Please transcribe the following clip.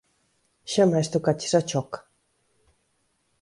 Xamais tocaches a choca.